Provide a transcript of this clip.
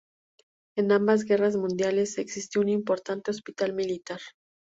En ambas guerras mundiales existió un importante hospital militar.